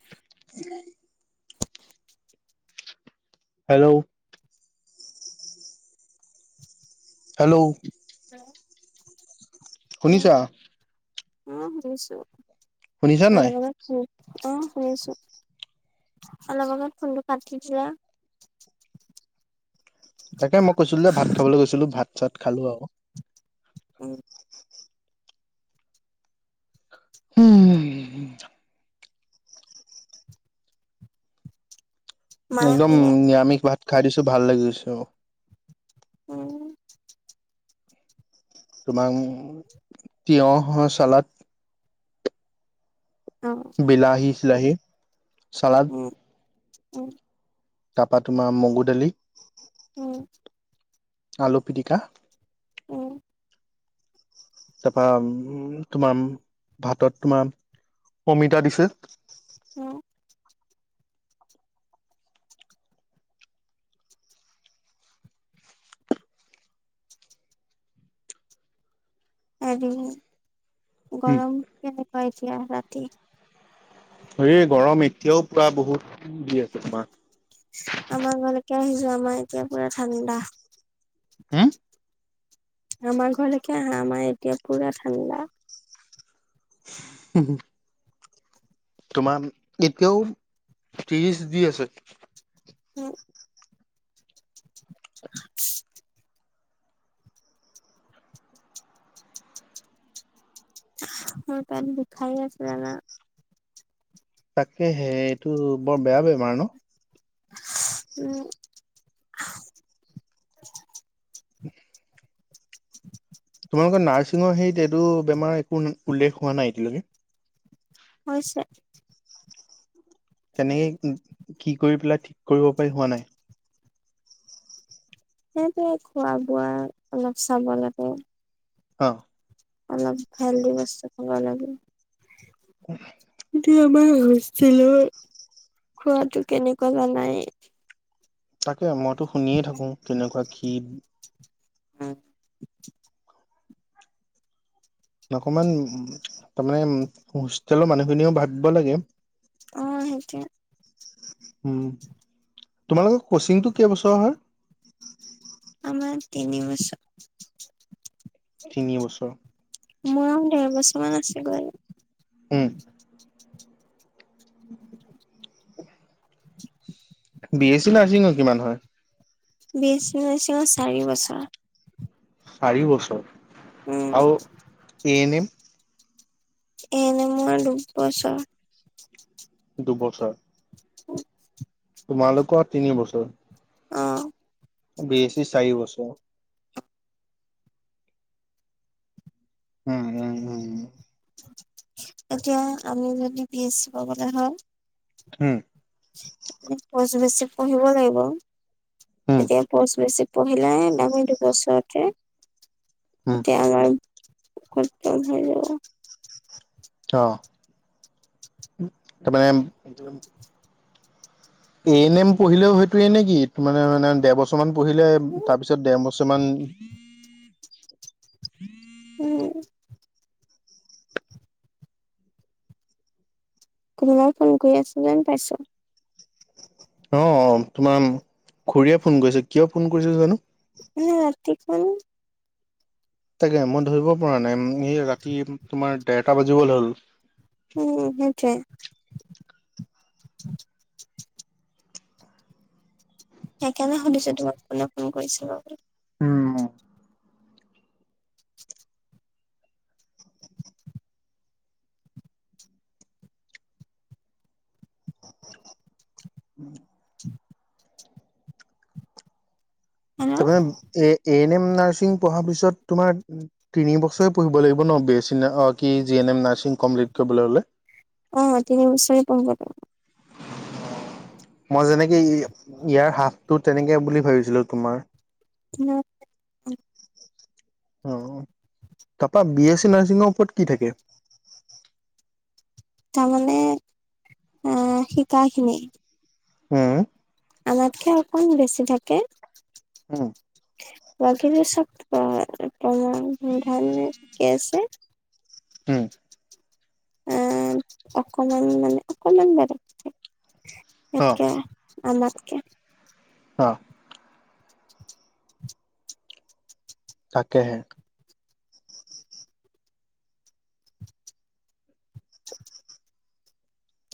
[inaudible] Hello hello [inaudible] শুনিছা? অ', শুনিছোঁ শুনিছা নাই [unintelligible] শুনি অ', শুনিছোঁ অলপ আগত ফোনটো কাটি দিলা। তাকে মই কৈছিলোঁ যে ভাত খাবলৈ গৈছিলোঁ ভাত চাত খালো আৰু। উম, উম, উম, হুম মায়ে একদম কলে নিৰামিষ ভাত খাই দিছোঁ ভাল লাগিছে আৰু। উম, তোমাৰ তিয়হ চালাদ অ বিলাহী চিলাহী চালাদ উ, উম, তাৰপাৰা তোমাৰ মগু দালি। উম, আলু পিটিকা উম, তাৰপা উম, তোমাৰ ভাতত তোমাৰ অমিতা দিছে উম, হেৰি গৰম কেনেকোৱা এতিয়া ৰাতি? হেৰি গৰম এতিয়াও পুৰা বহুত দি আছে তোমাৰ। আমাৰ ঘৰলৈকে আহিযোৱা আমাৰ এতিয়া পুৰা ঠাণ্ডা। আমাৰ ঘৰলৈকে আহা আমাৰ এতিয়া পুৰা ঠাণ্ডা। হুম, হুম তোমাৰ এতিয়াও ত্ৰিশ দি আছে। উম, [inaudible] [inaudible] মোৰ পেট বিষাই আছে জানা? তাকেহে এইটো বৰ বেয়া বেমাৰ ন? উম। [inaudible] [inaudible] তোমালোকৰ নাৰ্ছিঙৰ হেৰিত এইটো বেমাৰ একো উল্লেখ হোৱা নাই এতিয়ালকে? হৈছে। কেনেকে কি কৰি পেলাই ঠিক কৰিব পাৰি হোৱা নাই? সেইটোৱে খোৱা বোৱা অলপ চাব লাগে। অ'। অলপ হেলদি বস্তু খাব লাগে। [inaudible] এতিয়া আমাৰ হোষ্টেলত খোৱাতটো কেনেকুৱা জানাই। তাকে মইতো শুনিয়ে থাকো কেনেকুৱা কি [unintelligible] অকমান তাৰমানে হোষ্টেলৰ মানুহখিনিও ভাবিব লাগে। অ', সেইটোৱে। উম, তোমালোকৰ কচিংটো কেইবছৰ হয়? আমাৰ তিনি বছৰ। তিনি বছৰ। মোৰ আৰু দেৰ বছৰ মান আছে গৈ। উম। [inaudible] বি এছ চি নাৰ্ছিংৰ কিমান হয়? বি এছ চি নাৰ্চিঙৰ চাৰি বছৰ। চাৰি বছৰ উম, আৰু A N M? A N এমৰ দুবছৰ। দুবছৰ। [inaudible] তোমালোকৰ তিনি বছৰ। অ'। বি এ ছি চাৰি বছৰ। উম, উম, উম। এতিয়া আমি যদি বি এছ চি পাবলে হয়। উম। [unintelligible] পঢ়িব লাগিব উম তেতিয়াচ [unintelligible] পঢ়িলে আমি দুবছৰতে উম এতিয়া আমাৰ খটম হৈ যাব। অ', তাৰমানে এ এন এম পঢ়িলেও হয়তো এ নে কি তে মানে দেৰ বছৰ মান পঢ়িলে তাৰ পিছত দেৰ বছৰ কিছুমান উম। কোনোবাই ফোন কৰি আছো যেন পাইছো। অ', তোমাৰ খুৰীয়ে ফোন কৰিছে কিয় ফোন কৰিছে জানো। এই ৰাতিখন। তাকে মই ধৰিব পৰা নাই স ৰাতি তোমাৰ দেৰটা বাজিবলৈ হ'ল। উম, সেইটোৱে। সেইকাৰণে সুধিছো তোমাক কোনে ফোন কৰিছে বাৰুতে। উম। [inaudible] হেল্ল'। তাৰপা A A N M nursing পঢ়াৰ পিছত তোমাৰ তিনি বছৰে পঢ়িব লাগিব ন, বি এছ ইন কি G N M nursing complete কৰিবলৈ হ'লে? অ', তিনি বছৰে পঢ়িব লাগিব। মই যেনেকে ই-ই-ইয়াৰ হাফটো তেনেকে বুলি ভাবিছিলোঁ তোমাৰ। [inaudible] অ', তাৰপা বি এছ চি নাৰ্ছিঙৰ ওপৰত কি থাকে? তাৰমানে আহ, শিকাখিনি। হ, আ? [unintelligible] ত অকন বেছি থাকে। উম। [inaudible] হম! আহ অকমান মানে অকমান অ [unintelligible] আমাতকে। হা'! তাকেহে।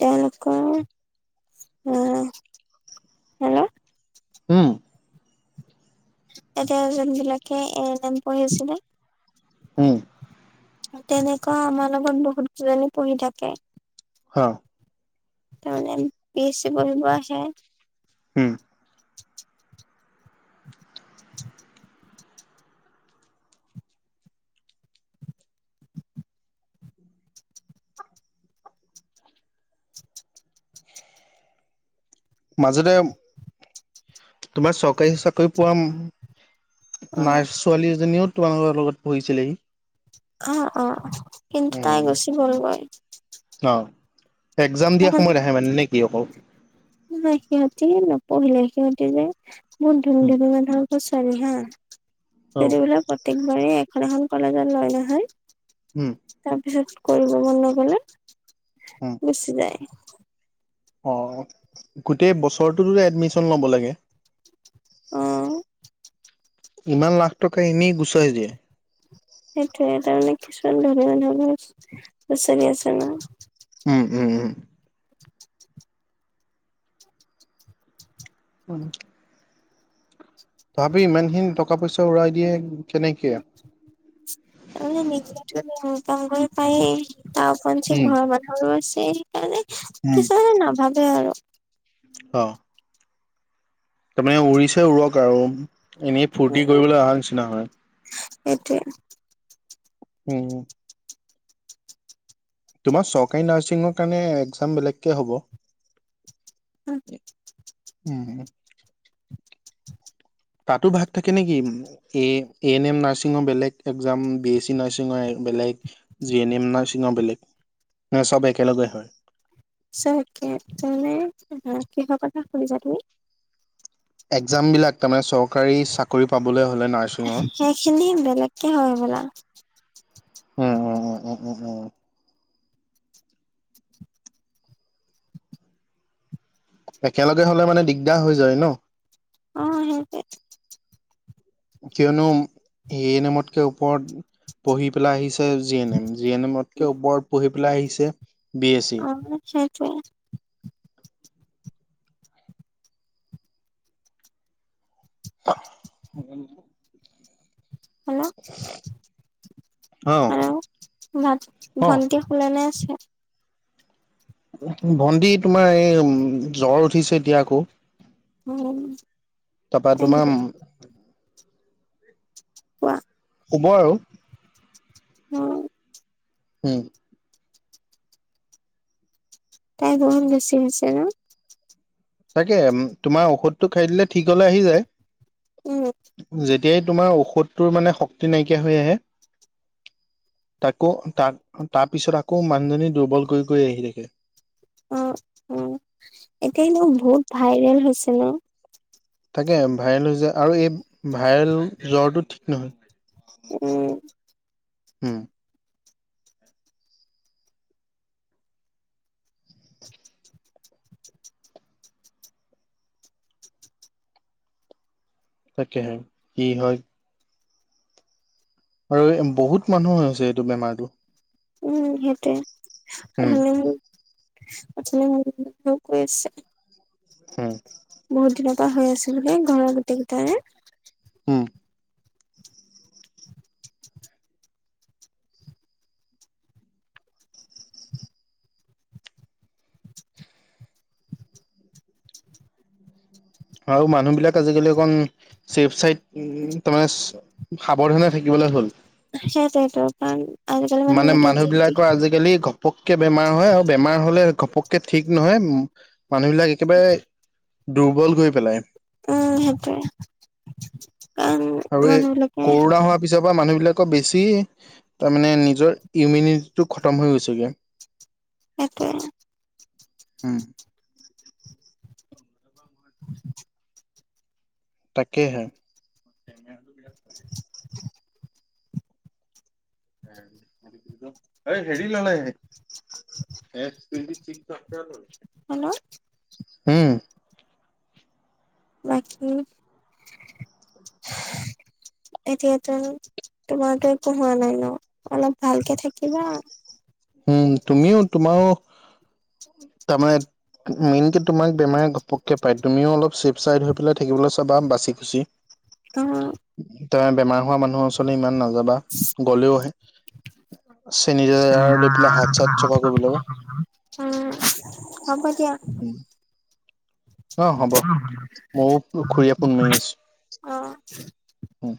তেওঁলোকৰ, হেল্ল'! উম। তেতিয়া যোনবিলাকে এ এল এম কৰি আছিলে হম! তেনেকুৱা আমাৰ লগত বহুত কেইজনী পঢ়ি থাকে। হ'? তাৰমানে [unintelligible] পঢ়িব আহে। উম। [inaudible] [inaudible] মাজতে তোমাৰ চৰকাৰী চাকৰি পোৱা অ নাৰ্ছ ছোৱালী এজনীও তোমালোকৰ লগত পঢ়িছিলেহি। অ', অ', অ', কিন্তু তাই উম গুচি গ'লগৈ। অ', একজাম দিয়া সময়ত আহে মানে নেকি অকল? নাই, সিহঁতি নপঢ়িলে সিহঁতি যে মোৰ ধনী- উম, ধনী মানুহৰ ঘৰৰ ছোৱালী হা, অ সিহঁতে প্ৰত্যেকবাৰেই এখন, এখন কলেজত লয় নহয় উম। তাৰপিছত কৰিব মন নগ'লে উম। [inaudible] অ', গোটেই বছৰটোতো এডমিশ্যন ল'ব লাগে? অহ। ইমান লাখ টকা এনেই গুচাই দিয়ে! সেইটোয়ে তাৰমানে কিছুমান ধনী মানুহৰ লচাৱালী আছে ন! উম, উম, উম। [inaudible] তথাপি ইমানখিন টকা- পইচা উৰাই দিয়ে কেনেকে? তাৰ মানে নিজে ইনকম পায় তাৰ উপৰেঞ্চি উম ঘৰ মানুহ আছেই সেইকাৰণে উম কিছুমানে নাভাবে আৰু। অ'। তাৰমানে উৰিছে উৰক আৰু এনেই ফূৰ্তি কৰিবলৈ অহা নিচিনা হয়। সেইটোয়ে। উম, উম। তোমাৰ চৰকাৰী নাৰ্ছিঙৰ কাৰণে একজাম বেলেগকে হ'ব? [unintelligible] উম। তাতো ভাগ থাকে নেকি? উম। এ', এ, এন এম নাৰ্ছিঙো বেলেগ একজাম, বি এছ চি নাৰ্ছিঙো এই বেলেগ জি এন এম নাৰ্ছিঙো বেলেগ, নে চব একেলগে হয়। [unintelligible] কিহৰ কথা শুনিছা তুমি? একজামবিলাক তাৰমানে চৰকাৰী চাকৰি পাবলে হ'লে নাৰ্ছিঙৰ সেখিনি বেলেগকে হয় বলা। হয় হয় হয় হয় হয় হয় হয়। একেলগে হ'লে মানে দিগদাৰ হৈ যায় ন'। অ', সেইটোৱে। কিয়নো এ, নেমতকে ওপৰত পঢ়ি পেলাই আহিছে G N M. G N এমতকে ওপৰত পঢ়ি পেলাই আহিছে বি এছ চি। অ', সেইটোৱে। [unintelligible] হেল্ল', অ', হেল্ল' [unintelligible] অ'। ভণ্টি শুলেঁ নে আছে? ভণ্টি তোমাৰ এই উম জ্বৰ উঠিছে এতিয়া আকৌ। উম। তাপা তোমাৰ উম অ'। ক'ব আৰু। অ'। উম। তাইৰ বহুত বেছি হৈছে ন'। তাকে উম তোমাৰ ঔষধটো খাই দিলে ঠিক হ'লে আহি যায়। উম যেত তিয়াই তোমাৰ ঔষধটোৰ মানে শক্তি নাইকিয়া হৈ আহে। তাকো তাক তাৰ পিছত আকৌ মানুহজনী দুৰ্বল কৰি কৰি আহি থাকে। অ', অ', এতিয়াই [unintelligible] বহুত ভাইৰেল হৈছে ন'। তাকে ভাইৰেল হৈছে আৰু এই ভাইৰেল জ্বৰটো ঠিক নহয়। উম উম। তাকেহে, কি হয়। আৰু এই বহুত মানুহ হৈ হৈছে এইটো বেমাৰটো। উম উম সেটোৱে। [unintelligible] কৈ আছে। [unintelligible] বহুত দিনৰ পৰা হৈ আছিলোঁ হেই ঘৰৰ গোটেই গিটাৰে। উম। আৰু মানুহ বিলাক আজিকালি অকন চেফ চাইত উ, তাৰমানে চা সাৱধানে থাকিবলে হ'ল। সেইটোৱেটো পান আজিকালি মানুহ বিলাকে যি তি [unintelligible] ঘপককে বেমাৰ হয় আৰু বেমাৰ হ'লে ঘপককে ঠিক নহয়। উম মানুহবিলাক একেবাৰে দুৰ্বল কৰি পেলাই। উম সেটোৱে। কাৰণ আৰু এই মানুহ বিলাকে কৰোণা হোৱাৰ পিছৰ পা মানুহ বিলাকক বেছি তাৰ মানে নিজৰ ইউমিনিটিটো খতম হৈ গৈছেগে। সেটোৱে। উম। [inaudible] তাকেহে। [inaudible] [inaudible] এই হেৰি ললে হেল্ল' হুম বাকী এতিয়াতো তোমাৰতো একো হোৱা নাই ন' অলপ ভালকে থাকিবা। উম, তুমিও তোমাৰো তাৰমানে মেইন কে তোমাক বেমাৰে ঘপকে পায়, তুমিও অলপ চেফ চাইড হৈ পেলাই থাকিবলৈ চাবা বাচি খুচি। অ', তেওঁ বেমাৰ হোৱা মানুহৰ ওচৰলৈ ইমান নাযাবা, গ'লেও হে চেনি আৰু উম, হ'ব দিয়া। অ হ'ব ময়ো খুৰীয়ে ফোন [inaudible] অ', উম,